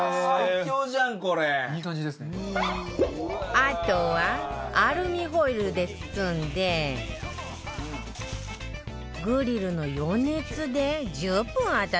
あとはアルミホイルで包んでグリルの余熱で１０分温めるわよ